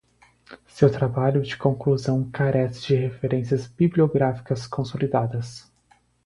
Seu trabalho de conclusão carece de referências bibliográficas consolidadas